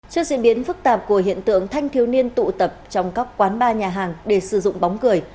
trước diễn biến phức tạp của hiện tượng thanh thiếu niên tụ tập trong các quán bar nhà hàng để sử dụng bóng cười